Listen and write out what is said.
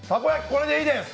これでいいです。